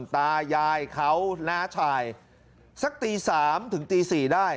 ตายายเขาน้าชายสักตี๓ถึงตี๔ได้